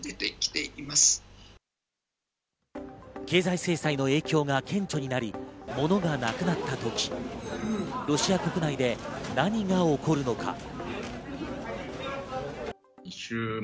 経済制裁の影響が顕著になり、物がなくなった時、ロシア国内で何が起こるのか。